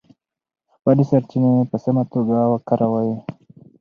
خپلې سرچینې په سمه توګه وکاروئ.